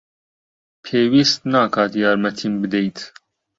پێویست ناکات یارمەتیم بدەیت.